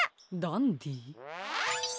ダンディ？